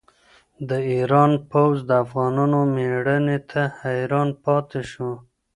د ایران پوځ د افغانانو مېړانې ته حیران پاتې شو.